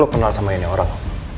aku kenal sama ini orang